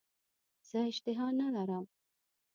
زه اشتها نه لرم .